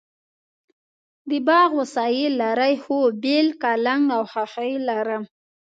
د باغ وسایل لرئ؟ هو، بیل، کلنګ او خاښۍ لرم